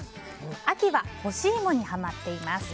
秋は干し芋にハマっています。